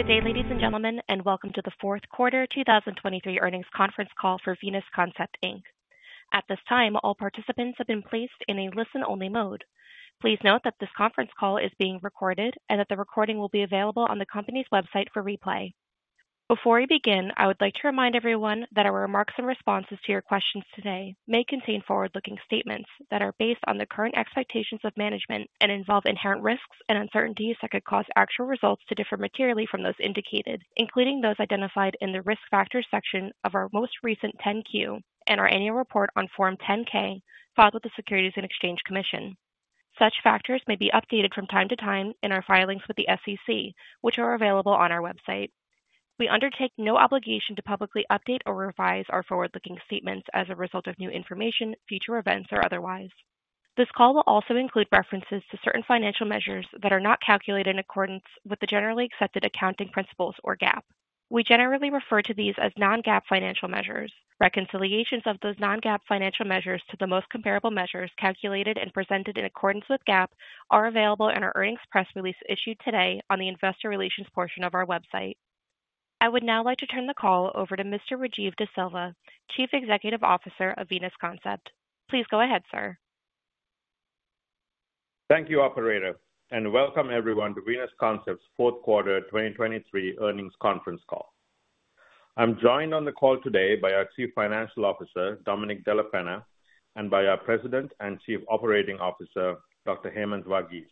Good day, ladies and gentlemen, and welcome to the fourth quarter 2023 earnings conference call for Venus Concept Inc. At this time, all participants have been placed in a listen-only mode. Please note that this conference call is being recorded and that the recording will be available on the company's website for replay. Before we begin, I would like to remind everyone that our remarks and responses to your questions today may contain forward-looking statements that are based on the current expectations of management and involve inherent risks and uncertainties that could cause actual results to differ materially from those indicated, including those identified in the risk factors section of our most recent 10-Q and our annual report on Form 10-K filed with the Securities and Exchange Commission. Such factors may be updated from time to time in our filings with the SEC, which are available on our website. We undertake no obligation to publicly update or revise our forward-looking statements as a result of new information, future events, or otherwise. This call will also include references to certain financial measures that are not calculated in accordance with the generally accepted accounting principles or GAAP. We generally refer to these as non-GAAP financial measures. Reconciliations of those non-GAAP financial measures to the most comparable measures calculated and presented in accordance with GAAP are available in our earnings press release issued today on the investor relations portion of our website. I would now like to turn the call over to Mr. Rajiv De Silva, Chief Executive Officer of Venus Concept. Please go ahead, sir. Thank you, operator, and welcome everyone to Venus Concept's fourth quarter 2023 earnings conference call. I'm joined on the call today by our Chief Financial Officer, Domenic Della Penna, and by our President and Chief Operating Officer, Dr. Hemanth Varghese.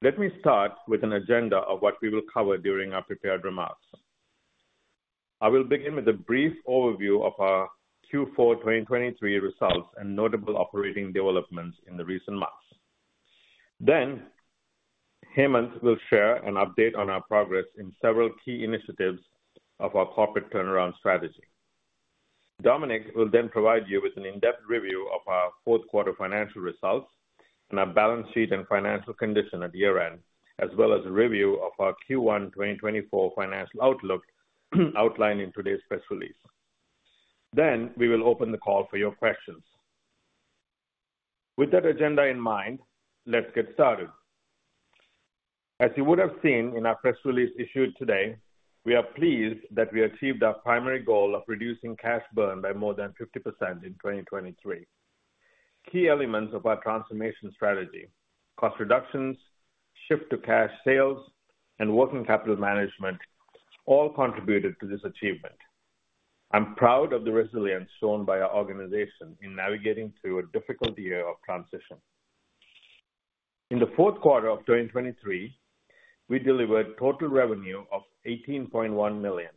Let me start with an agenda of what we will cover during our prepared remarks. I will begin with a brief overview of our Q4 2023 results and notable operating developments in the recent months. Then Hemanth will share an update on our progress in several key initiatives of our corporate turnaround strategy. Domenic will then provide you with an in-depth review of our fourth quarter financial results and our balance sheet and financial condition at year-end, as well as a review of our Q1 2024 financial outlook outlined in today's press release. Then we will open the call for your questions. With that agenda in mind, let's get started. As you would have seen in our press release issued today, we are pleased that we achieved our primary goal of reducing cash burn by more than 50% in 2023. Key elements of our transformation strategy, cost reductions, shift to cash sales, and working capital management all contributed to this achievement. I'm proud of the resilience shown by our organization in navigating through a difficult year of transition. In the fourth quarter of 2023, we delivered total revenue of $18.1 million,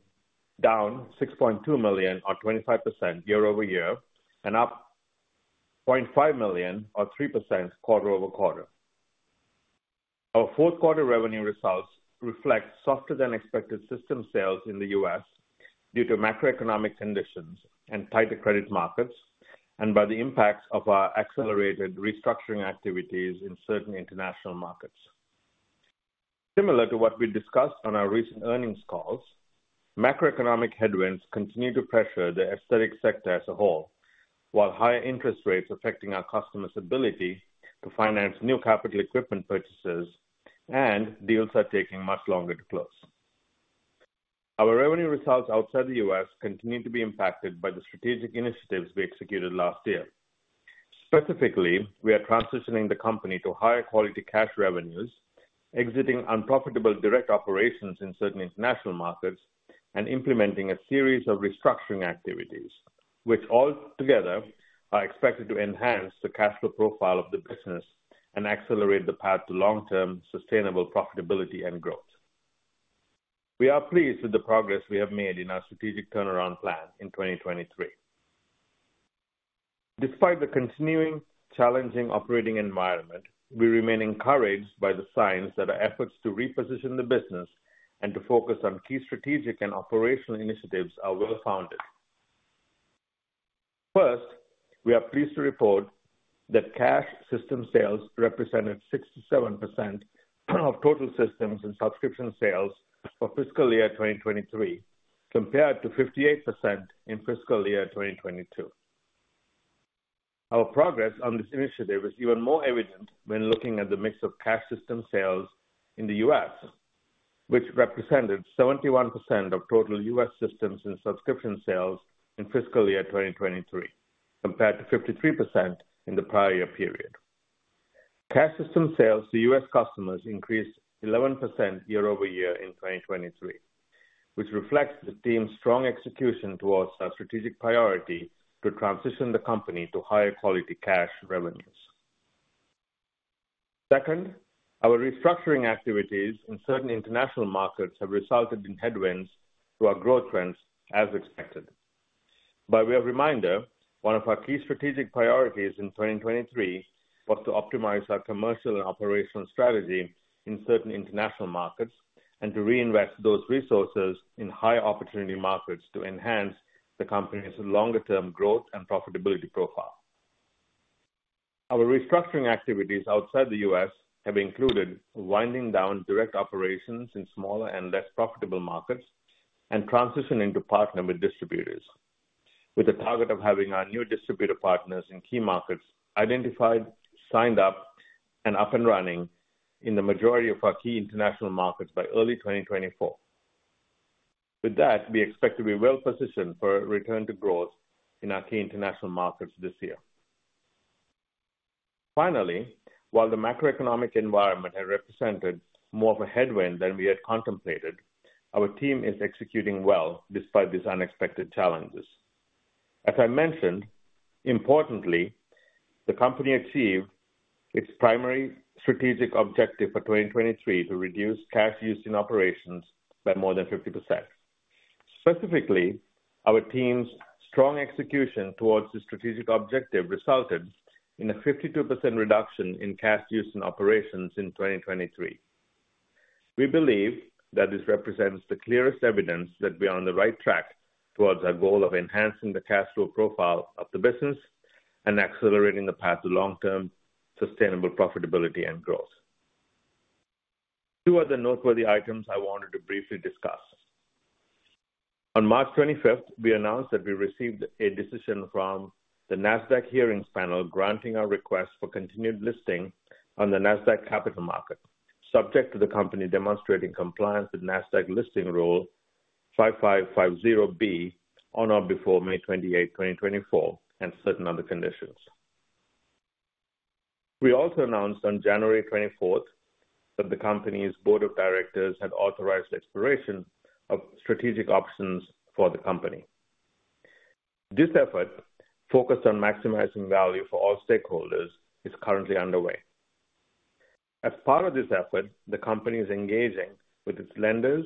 down $6.2 million or 25% year-over-year and up $0.5 million or 3% quarter-over-quarter. Our fourth quarter revenue results reflect softer-than-expected system sales in the U.S. due to macroeconomic conditions and tighter credit markets and by the impacts of our accelerated restructuring activities in certain international markets. Similar to what we discussed on our recent earnings calls, macroeconomic headwinds continue to pressure the aesthetic sector as a whole, while higher interest rates affecting our customers' ability to finance new capital equipment purchases and deals are taking much longer to close. Our revenue results outside the U.S. continue to be impacted by the strategic initiatives we executed last year. Specifically, we are transitioning the company to higher quality cash revenues, exiting unprofitable direct operations in certain international markets, and implementing a series of restructuring activities, which altogether are expected to enhance the cash flow profile of the business and accelerate the path to long-term sustainable profitability and growth. We are pleased with the progress we have made in our strategic turnaround plan in 2023. Despite the continuing challenging operating environment, we remain encouraged by the signs that our efforts to reposition the business and to focus on key strategic and operational initiatives are well-founded. First, we are pleased to report that cash system sales represented 67% of total systems and subscription sales for fiscal year 2023 compared to 58% in fiscal year 2022. Our progress on this initiative is even more evident when looking at the mix of cash system sales in the U.S., which represented 71% of total U.S. systems and subscription sales in fiscal year 2023 compared to 53% in the prior year period. Cash system sales to U.S. customers increased 11% year-over-year in 2023, which reflects the team's strong execution towards our strategic priority to transition the company to higher quality cash revenues. Second, our restructuring activities in certain international markets have resulted in headwinds to our growth trends as expected. By way of reminder, one of our key strategic priorities in 2023 was to optimize our commercial and operational strategy in certain international markets and to reinvest those resources in high opportunity markets to enhance the company's longer-term growth and profitability profile. Our restructuring activities outside the U.S. have included winding down direct operations in smaller and less profitable markets and transition into partner with distributors, with the target of having our new distributor partners in key markets identified, signed up, and up and running in the majority of our key international markets by early 2024. With that, we expect to be well-positioned for a return to growth in our key international markets this year. Finally, while the macroeconomic environment has represented more of a headwind than we had contemplated, our team is executing well despite these unexpected challenges. As I mentioned, importantly, the company achieved its primary strategic objective for 2023 to reduce cash use in operations by more than 50%. Specifically, our team's strong execution towards this strategic objective resulted in a 52% reduction in cash use in operations in 2023. We believe that this represents the clearest evidence that we are on the right track towards our goal of enhancing the cash flow profile of the business and accelerating the path to long-term sustainable profitability and growth. Two other noteworthy items I wanted to briefly discuss. On March 25th, we announced that we received a decision from the Nasdaq Hearings Panel granting our request for continued listing on the Nasdaq Capital Market, subject to the company demonstrating compliance with Nasdaq Listing Rule 5550(b) on or before May 28, 2024, and certain other conditions. We also announced on January 24th that the company's board of directors had authorized the expiration of strategic options for the company. This effort, focused on maximizing value for all stakeholders, is currently underway. As part of this effort, the company is engaging with its lenders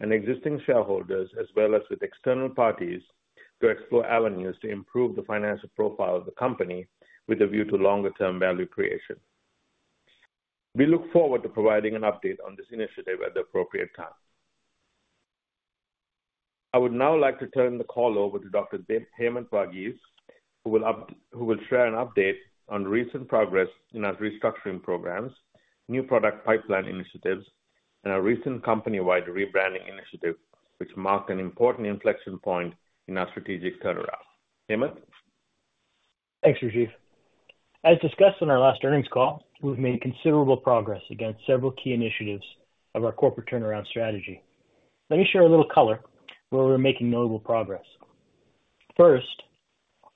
and existing shareholders as well as with external parties to explore avenues to improve the financial profile of the company with a view to longer-term value creation. We look forward to providing an update on this initiative at the appropriate time. I would now like to turn the call over to Dr. Hemanth Varghese, who will share an update on recent progress in our restructuring programs, new product pipeline initiatives, and our recent company-wide rebranding initiative, which marked an important inflection point in our strategic turnaround. Hemanth? Thanks, Rajiv. As discussed on our last earnings call, we've made considerable progress against several key initiatives of our corporate turnaround strategy. Let me share a little color where we're making notable progress. First,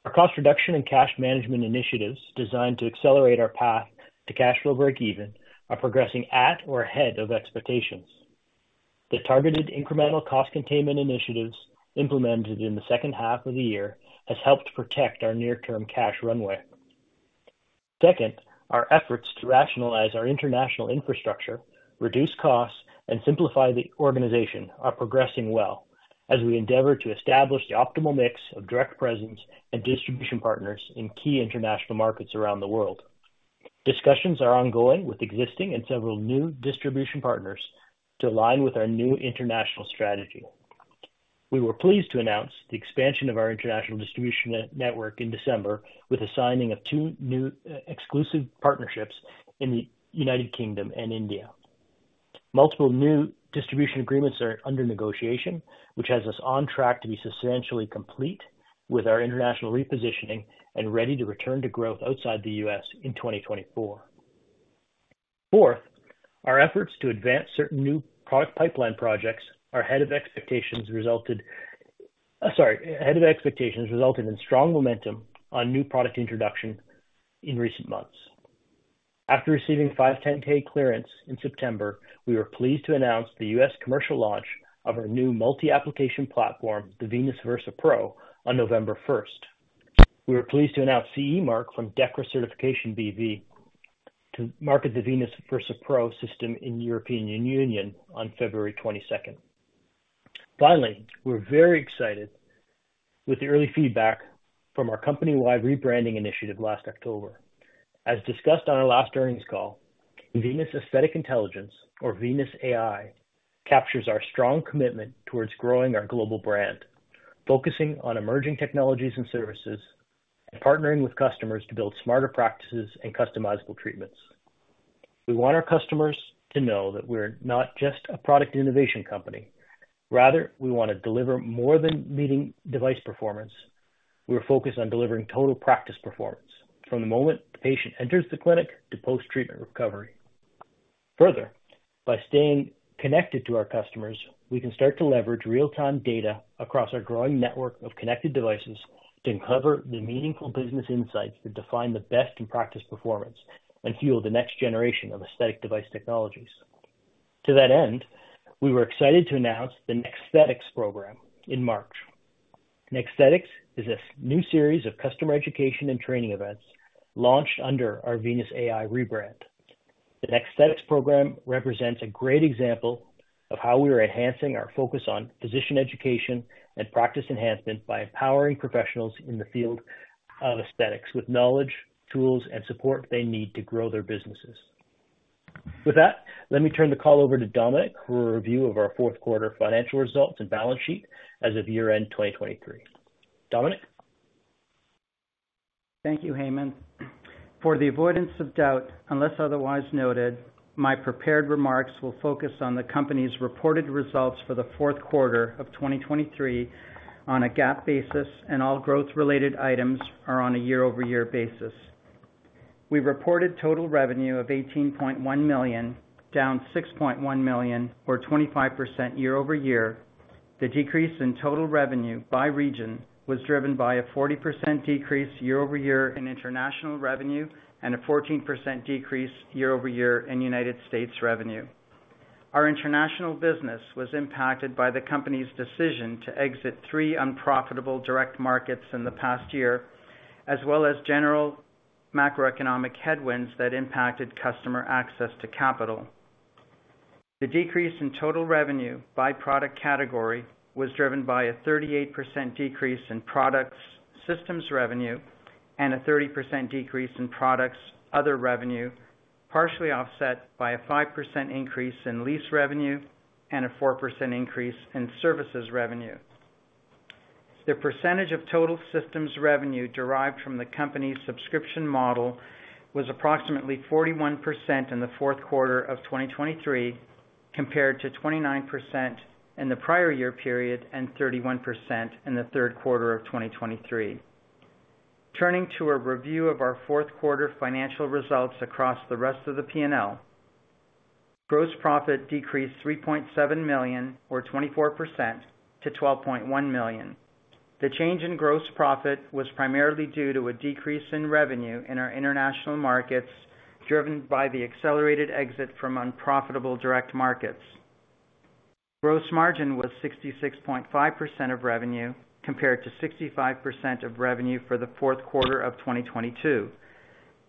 our cost reduction and cash management initiatives designed to accelerate our path to cash flow break-even are progressing at or ahead of expectations. The targeted incremental cost containment initiatives implemented in the second half of the year have helped protect our near-term cash runway. Second, our efforts to rationalize our international infrastructure, reduce costs, and simplify the organization are progressing well as we endeavor to establish the optimal mix of direct presence and distribution partners in key international markets around the world. Discussions are ongoing with existing and several new distribution partners to align with our new international strategy. We were pleased to announce the expansion of our international distribution network in December with the signing of two new exclusive partnerships in the United Kingdom and India. Multiple new distribution agreements are under negotiation, which has us on track to be substantially complete with our international repositioning and ready to return to growth outside the U.S. in 2024. Fourth, our efforts to advance certain new product pipeline projects are ahead of expectations, resulted in strong momentum on new product introduction in recent months. After receiving 510(k) clearance in September, we were pleased to announce the U.S. commercial launch of our new multi-application platform, the Venus Versa Pro, on November 1st. We were pleased to announce CE mark from DEKRA Certification B.V. to market the Venus Versa Pro system in the European Union on February 22nd. Finally, we're very excited with the early feedback from our company-wide rebranding initiative last October. As discussed on our last earnings call, Venus Aesthetic Intelligence, or Venus AI, captures our strong commitment towards growing our global brand, focusing on emerging technologies and services, and partnering with customers to build smarter practices and customizable treatments. We want our customers to know that we're not just a product innovation company. Rather, we want to deliver more than meeting device performance. We are focused on delivering total practice performance from the moment the patient enters the clinic to post-treatment recovery. Further, by staying connected to our customers, we can start to leverage real-time data across our growing network of connected devices to uncover the meaningful business insights that define the best in practice performance and fuel the next generation of aesthetic device technologies. To that end, we were excited to announce the NEXThetics program in March. NEXThetics is a new series of customer education and training events launched under our Venus AI rebrand. The NEXThetics program represents a great example of how we are enhancing our focus on physician education and practice enhancement by empowering professionals in the field of aesthetics with knowledge, tools, and support they need to grow their businesses. With that, let me turn the call over to Domenic for a review of our fourth quarter financial results and balance sheet as of year-end 2023. Domenic? Thank you, Hemanth. For the avoidance of doubt, unless otherwise noted, my prepared remarks will focus on the company's reported results for the fourth quarter of 2023 on a GAAP basis, and all growth-related items are on a year-over-year basis. We reported total revenue of $18.1 million, down $6.1 million, or 25% year-over-year. The decrease in total revenue by region was driven by a 40% decrease year-over-year in international revenue and a 14% decrease year-over-year in United States revenue. Our international business was impacted by the company's decision to exit three unprofitable direct markets in the past year, as well as general macroeconomic headwinds that impacted customer access to capital. The decrease in total revenue by product category was driven by a 38% decrease in products systems revenue and a 30% decrease in products other revenue, partially offset by a 5% increase in lease revenue and a 4% increase in services revenue. The percentage of total systems revenue derived from the company's subscription model was approximately 41% in the fourth quarter of 2023 compared to 29% in the prior year period and 31% in the third quarter of 2023. Turning to a review of our fourth quarter financial results across the rest of the P&L, gross profit decreased $3.7 million, or 24%, to $12.1 million. The change in gross profit was primarily due to a decrease in revenue in our international markets driven by the accelerated exit from unprofitable direct markets. Gross margin was 66.5% of revenue compared to 65% of revenue for the fourth quarter of 2022.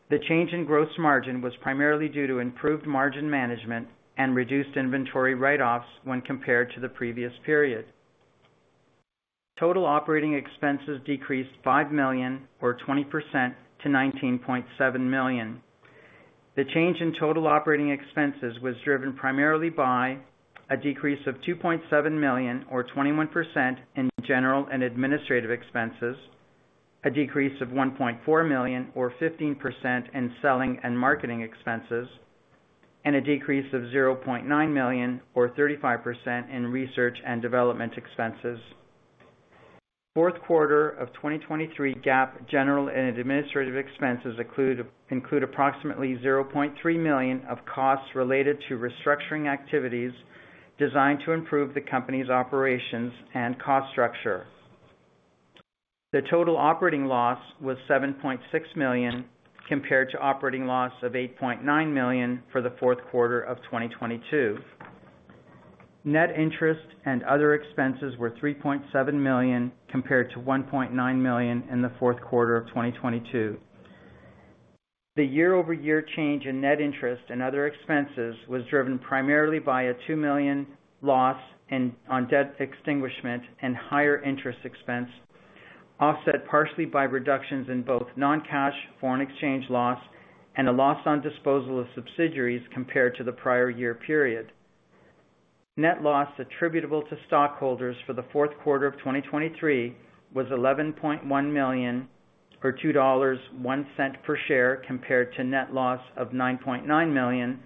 The change in gross margin was primarily due to improved margin management and reduced inventory write-offs when compared to the previous period. Total operating expenses decreased $5 million, or 20%, to $19.7 million. The change in total operating expenses was driven primarily by a decrease of $2.7 million, or 21%, in general and administrative expenses, a decrease of $1.4 million, or 15%, in selling and marketing expenses, and a decrease of $0.9 million, or 35%, in research and development expenses. Fourth quarter of 2023 GAAP general and administrative expenses include approximately $0.3 million of costs related to restructuring activities designed to improve the company's operations and cost structure. The total operating loss was $7.6 million compared to operating loss of $8.9 million for the fourth quarter of 2022. Net interest and other expenses were $3.7 million compared to $1.9 million in the fourth quarter of 2022. The year-over-year change in net interest and other expenses was driven primarily by a $2 million loss on debt extinguishment and higher interest expense, offset partially by reductions in both non-cash foreign exchange loss and a loss on disposal of subsidiaries compared to the prior year period. Net loss attributable to stockholders for the fourth quarter of 2023 was $11.1 million, or $2.01 per share, compared to net loss of $9.9 million,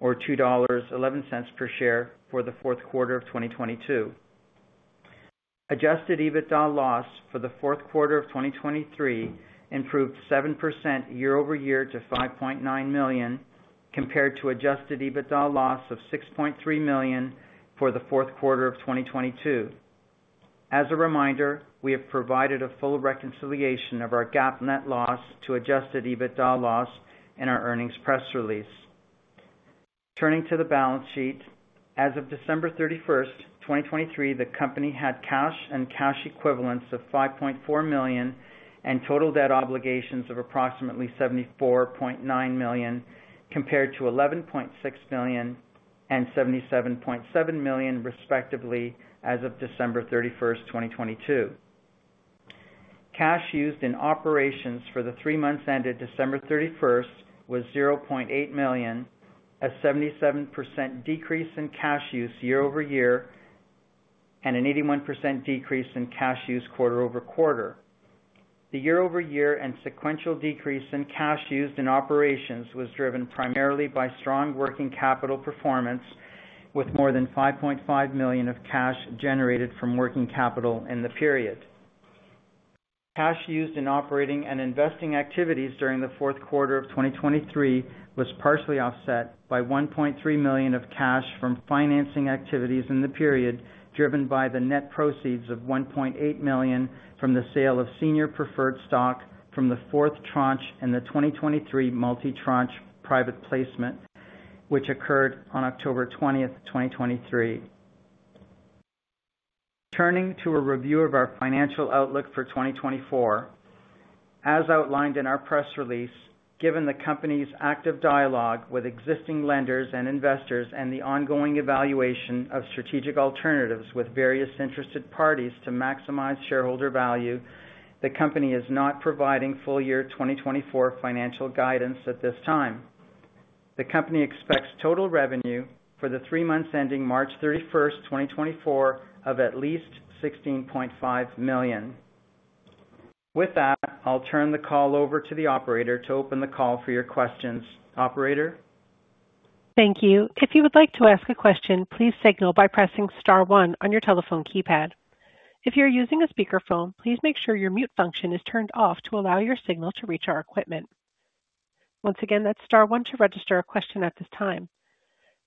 or $2.11 per share for the fourth quarter of 2022. Adjusted EBITDA loss for the fourth quarter of 2023 improved 7% year-over-year to $5.9 million compared to adjusted EBITDA loss of $6.3 million for the fourth quarter of 2022. As a reminder, we have provided a full reconciliation of our GAAP net loss to adjusted EBITDA loss in our earnings press release. Turning to the balance sheet, as of December 31, 2023, the company had cash and cash equivalents of $5.4 million and total debt obligations of approximately $74.9 million compared to $11.6 million and $77.7 million, respectively, as of December 31, 2022. Cash used in operations for the three months ended December 31 was $0.8 million, a 77% decrease in cash use year-over-year and an 81% decrease in cash use quarter-over-quarter. The year-over-year and sequential decrease in cash used in operations was driven primarily by strong working capital performance, with more than $5.5 million of cash generated from working capital in the period. Cash used in operating and investing activities during the fourth quarter of 2023 was partially offset by $1.3 million of cash from financing activities in the period, driven by the net proceeds of $1.8 million from the sale of senior preferred stock from the fourth tranche and the 2023 multi-tranche private placement, which occurred on October 20, 2023. Turning to a review of our financial outlook for 2024. As outlined in our press release, given the company's active dialogue with existing lenders and investors and the ongoing evaluation of strategic alternatives with various interested parties to maximize shareholder value, the company is not providing full-year 2024 financial guidance at this time. The company expects total revenue for the three months ending March 31, 2024, of at least $16.5 million. With that, I'll turn the call over to the operator to open the call for your questions. Operator? Thank you. If you would like to ask a question, please signal by pressing star one on your telephone keypad. If you're using a speakerphone, please make sure your mute function is turned off to allow your signal to reach our equipment. Once again, that's star one to register a question at this time.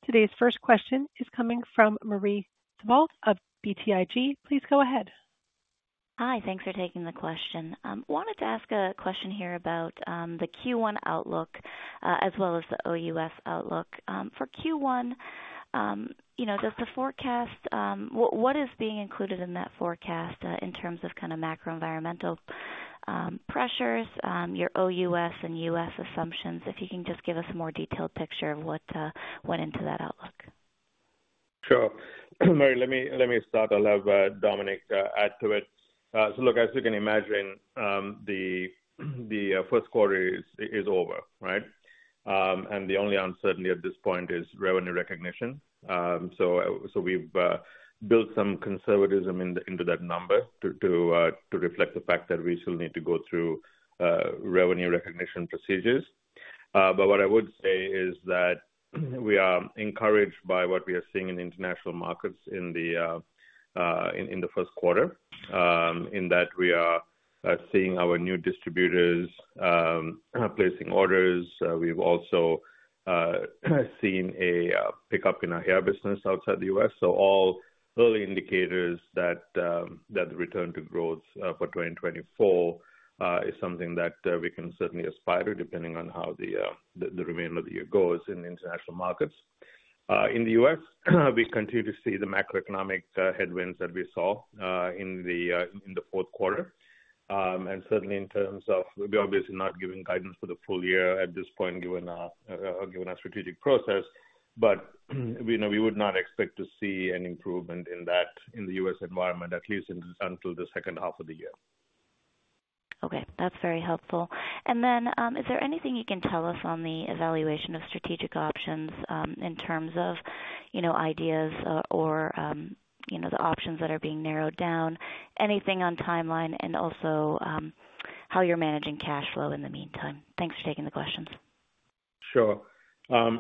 Today's first question is coming from Marie Thibault of BTIG. Please go ahead. Hi. Thanks for taking the question. Wanted to ask a question here about the Q1 outlook as well as the OUS outlook. For Q1, does the forecast what is being included in that forecast in terms of kind of macroenvironmental pressures, your OUS and U.S. assumptions? If you can just give us a more detailed picture of what went into that outlook. Sure. Marie, let me start. I'll have Domenic add to it. So, look, as you can imagine, the first quarter is over, right? And the only uncertainty at this point is revenue recognition. So we've built some conservatism into that number to reflect the fact that we still need to go through revenue recognition procedures. But what I would say is that we are encouraged by what we are seeing in international markets in the first quarter, in that we are seeing our new distributors placing orders. We've also seen a pickup in our hair business outside the U.S. So all early indicators that the return to growth for 2024 is something that we can certainly aspire to, depending on how the remainder of the year goes in international markets. In the U.S., we continue to see the macroeconomic headwinds that we saw in the fourth quarter. Certainly, in terms of, we're obviously not giving guidance for the full year at this point, given our strategic process. We would not expect to see an improvement in that in the U.S. environment, at least until the second half of the year. Okay. That's very helpful. And then, is there anything you can tell us on the evaluation of strategic options in terms of ideas or the options that are being narrowed down? Anything on timeline and also how you're managing cash flow in the meantime? Thanks for taking the questions. Sure.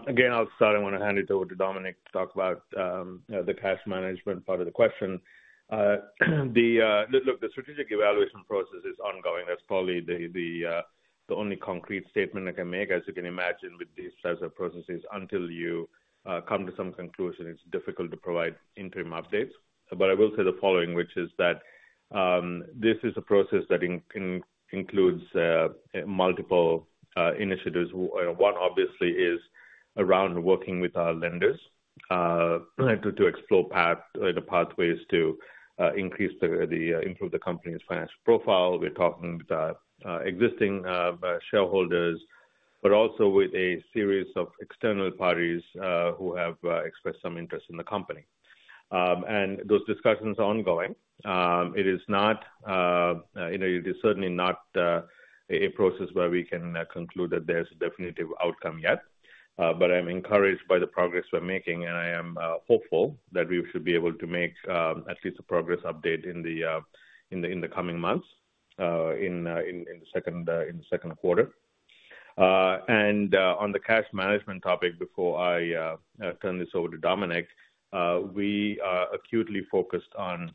Again, I'll start. I want to hand it over to Domenic to talk about the cash management part of the question. Look, the strategic evaluation process is ongoing. That's probably the only concrete statement I can make. As you can imagine, with these types of processes, until you come to some conclusion, it's difficult to provide interim updates. But I will say the following, which is that this is a process that includes multiple initiatives. One, obviously, is around working with our lenders to explore pathways to improve the company's financial profile. We're talking with our existing shareholders, but also with a series of external parties who have expressed some interest in the company. And those discussions are ongoing. It is certainly not a process where we can conclude that there's a definitive outcome yet. But I'm encouraged by the progress we're making, and I am hopeful that we should be able to make at least a progress update in the coming months in the second quarter. And on the cash management topic, before I turn this over to Domenic, we are acutely focused on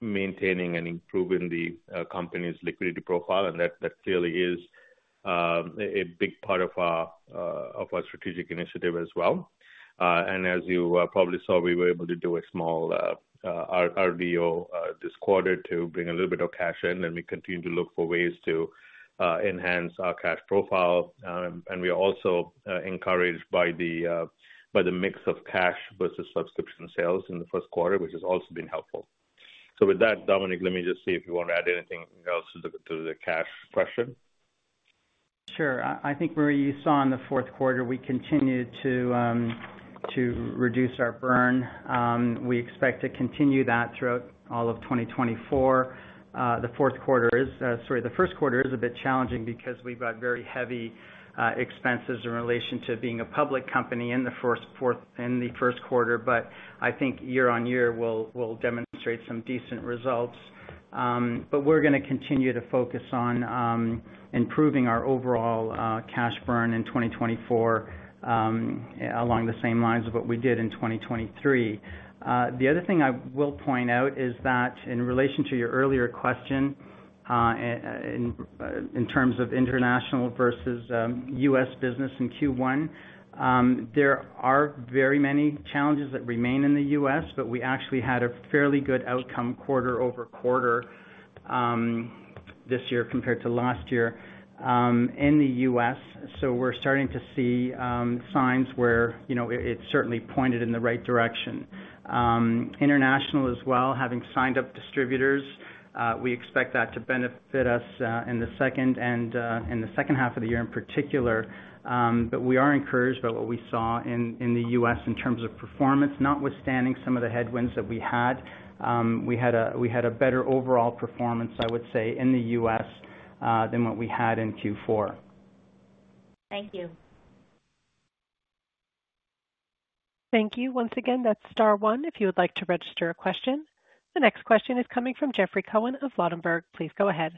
maintaining and improving the company's liquidity profile, and that clearly is a big part of our strategic initiative as well. And as you probably saw, we were able to do a small RDO this quarter to bring a little bit of cash in, and we continue to look for ways to enhance our cash profile. And we are also encouraged by the mix of cash versus subscription sales in the first quarter, which has also been helpful. So with that, Domenic, let me just see if you want to add anything else to the cash question. Sure. I think, Marie, you saw in the fourth quarter, we continue to reduce our burn. We expect to continue that throughout all of 2024. The fourth quarter is, sorry, the first quarter is a bit challenging because we've got very heavy expenses in relation to being a public company in the first quarter. But I think year-on-year will demonstrate some decent results. But we're going to continue to focus on improving our overall cash burn in 2024 along the same lines of what we did in 2023. The other thing I will point out is that in relation to your earlier question, in terms of international versus U.S. business in Q1, there are very many challenges that remain in the U.S., but we actually had a fairly good outcome quarter-over-quarter this year compared to last year in the U.S. So we're starting to see signs where it's certainly pointed in the right direction. International as well, having signed up distributors, we expect that to benefit us in the second half of the year in particular. But we are encouraged by what we saw in the U.S. in terms of performance, notwithstanding some of the headwinds that we had. We had a better overall performance, I would say, in the U.S. than what we had in Q4. Thank you. Thank you. Once again, that's star one if you would like to register a question. The next question is coming from Jeffrey Cohen of Ladenburg Thalmann. Please go ahead.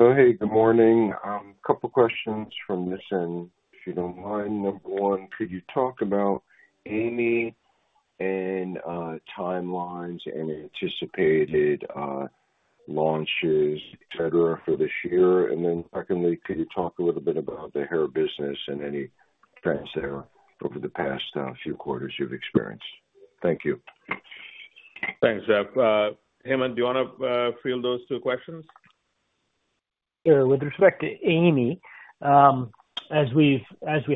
Hey. Good morning. A couple of questions from this end, if you don't mind. Number one, could you talk about AI.ME and timelines and anticipated launches, etc., for this year? And then secondly, could you talk a little bit about the hair business and any trends there over the past few quarters you've experienced? Thank you. Thanks, Jeff. Hemanth, do you want to field those two questions? Sure. With respect to AI.ME, as we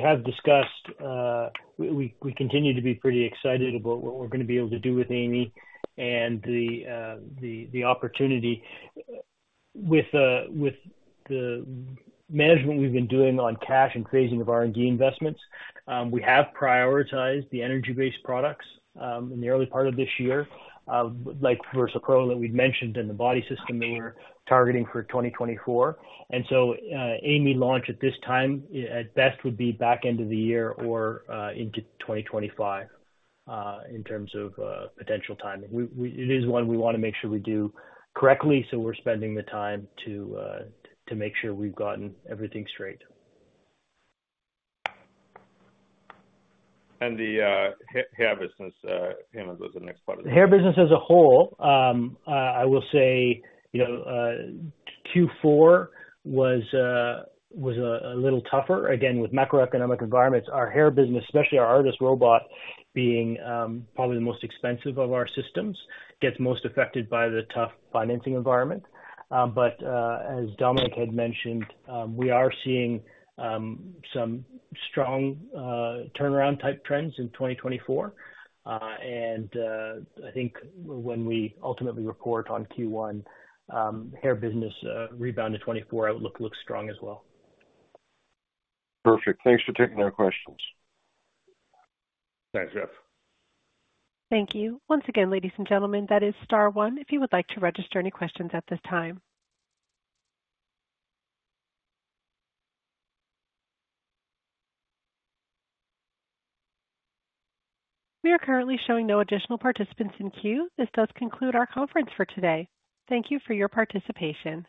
have discussed, we continue to be pretty excited about what we're going to be able to do with AI.ME and the opportunity. With the management we've been doing on cash and phasing of R&D investments, we have prioritized the energy-based products in the early part of this year, like Versa Pro that we'd mentioned and the body system that we're targeting for 2024. And so AI.ME launch at this time, at best, would be back end of the year or into 2025 in terms of potential timing. It is one we want to make sure we do correctly, so we're spending the time to make sure we've gotten everything straight. The hair business, Hemanth, was the next part of the question. Hair business as a whole, I will say Q4 was a little tougher. Again, with macroeconomic environments, our hair business, especially our ARTAS being probably the most expensive of our systems, gets most affected by the tough financing environment. But as Domenic had mentioned, we are seeing some strong turnaround-type trends in 2024. I think when we ultimately report on Q1, hair business rebound in 2024 looks strong as well. Perfect. Thanks for taking our questions. Thanks, Jeff. Thank you. Once again, ladies and gentlemen, that is star one if you would like to register any questions at this time. We are currently showing no additional participants in queue. This does conclude our conference for today. Thank you for your participation.